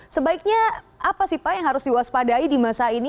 sebaiknya apa sih pak yang harus diwaspadai di masa ini